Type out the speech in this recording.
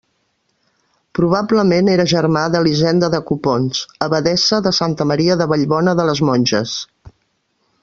Probablement era germà d'Elisenda de Copons, abadessa de Santa Maria de Vallbona de les Monges.